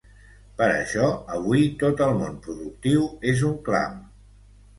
Per això avui tot el món productiu és un clam.